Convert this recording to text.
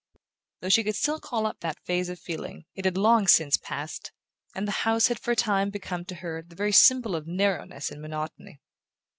Though she could still call up that phase of feeling it had long since passed, and the house had for a time become to her the very symbol of narrowness and monotony.